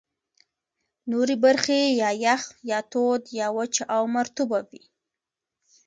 نورې برخې یا یخ، یا تود، یا وچه او مرطوبه وې.